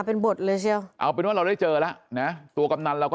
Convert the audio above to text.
เป็นบทเลยเชียวเอาเป็นว่าเราได้เจอแล้วนะตัวกำนันเราก็